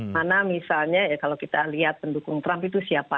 mana misalnya ya kalau kita lihat pendukung trump itu siapa